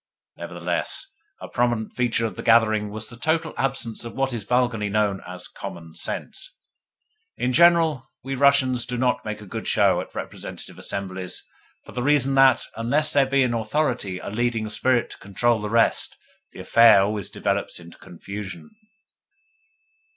Nevertheless a prominent feature of the gathering was the total absence of what is vulgarly known as "common sense." In general, we Russians do not make a good show at representative assemblies, for the reason that, unless there be in authority a leading spirit to control the rest, the affair always develops into confusion.